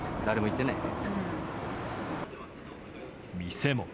店も。